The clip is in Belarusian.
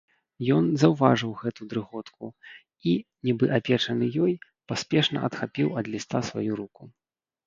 Ён заўважыў гэту дрыготку і, нібы апечаны ёй, паспешна адхапіў ад ліста сваю руку.